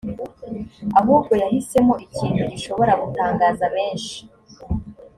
ahubwo yahisemo ikintu gishobora gutangaza benshi